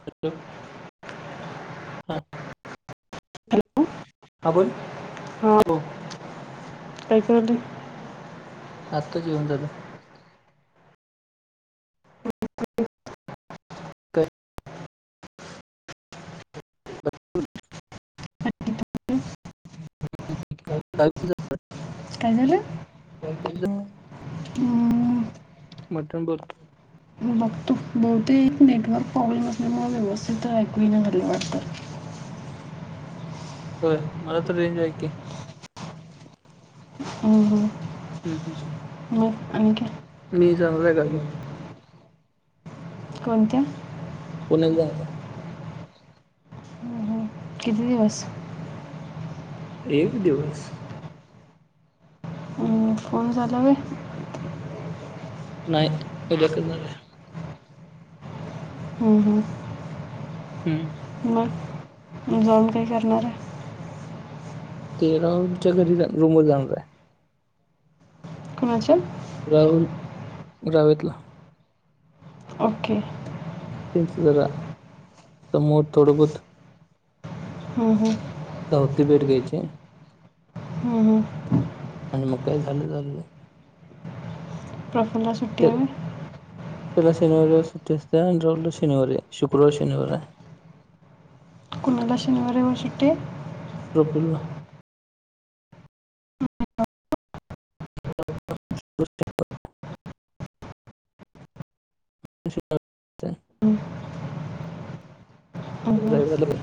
Hello! हा. [unintelligible] हा बोल हा हो काय करालाय? आत्ता जेवण झालं [unintelligible] काय [inaudible] [inaudible] काय झालं. गावी हम्म मोठ्याने बोलतो. बघतो. बहुतेक नेटवर्क प्रॉब्लेम असल्यामुळे व्यवस्थित ऐकु येईना झालं वाटत. [inaudible] होय मला तर रेंज की. हम्म हम्म हम्म हम्म हो आणखी मी जेव्हा वेगळा होईल. कोणत्या? पुण्याला जायला. हं, हं. किती दिवस आहे एक दिवस फोन झाला व्हय. नाही उद्या करणार आहे हम्म हम्म हम्म मग जाऊन काय करणार आहे. ते राहुलच्या घरी रूमर जाणार आहे. कोणाच्या? राहुल रावेतला. ओके. त्यांचं जरा मोड तोड होत हम्म हम्म होती भेट घ्यायची. हं, हं. आणि मग काय झालं झालं. प्रफुल्ल ला सुट्टी आहे त्या- व्हय. त्याला शनिवारी रविवारी सुट्टी असते. आणि राहुलला शनिवारी शुक्रवारी शनिवारी मला शनिवार रविवार सुट्टी आहे. प्रफुल्लला [inaudible] [inaudible] [inaudible] हं, हं. ड्रायव्हरला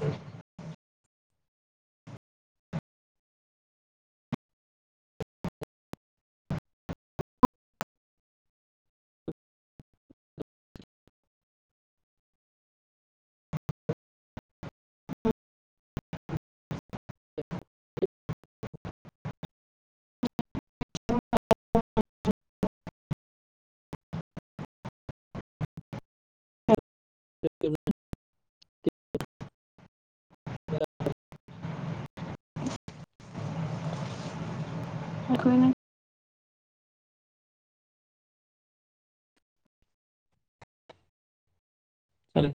[inaudible] एकु येई नाही. चालेल‌.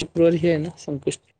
शुक्रुवारी हे आहे ना संकष्टी